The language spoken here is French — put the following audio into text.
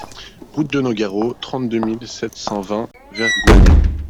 Route de Nogaro, trente-deux mille sept cent vingt Vergoignan